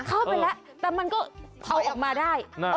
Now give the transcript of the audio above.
เข้าไปแล้วแต่มันก็เอาออกมาได้